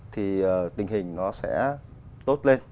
thì tình hình nó sẽ tốt lên